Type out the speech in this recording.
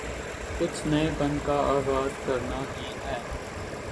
کچھ نئے پن کا آغاز کرنا ہی ہے۔